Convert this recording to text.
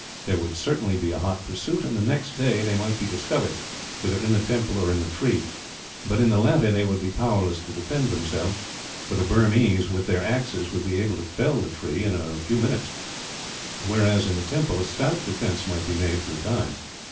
There would certainly be a hot pursuit, and the next day they might be discovered, whether in the temple or in the tree; but in the latter they would be powerless to defend themselves, for the Burmese, with their axes, would be able to fell it in a few minutes; whereas in the temple a stout defence might be made for a time.